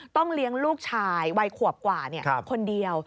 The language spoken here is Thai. เลี้ยงลูกชายวัยขวบกว่าคนเดียว